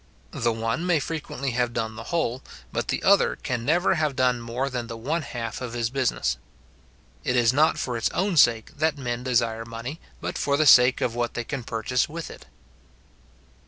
The one may frequently have done the whole, but the other can never have done more than the one half of his business. It is not for its own sake that men desire money, but for the sake of what they can purchase with it.